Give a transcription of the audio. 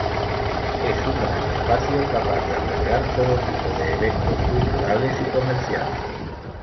Es un gran espacio capaz de albergar todo tipo de eventos culturales y comerciales.